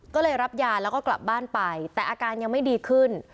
ก็เลยรับยาแล้วก็กลับบ้านไปแต่อาการยังไม่ดีขึ้น